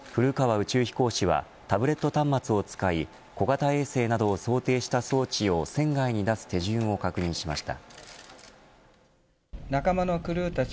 宇宙飛行士はタブレット端末を使い小型衛星などを想定した装置を船外に出す手順を確認しました。